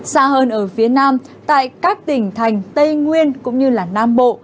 xa hơn ở phía nam tại các tỉnh thành tây nguyên cũng như nam bộ